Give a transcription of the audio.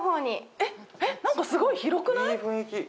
えっ、なんかすごく広くない？